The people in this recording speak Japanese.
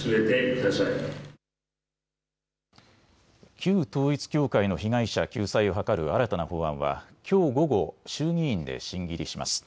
旧統一教会の被害者救済を図る新たな法案はきょう午後、衆議院で審議入りします。